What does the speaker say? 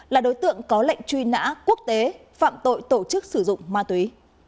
là đối tượng có lệnh truy nã quốc tế phạm tội tổ chức sử dụng ma túy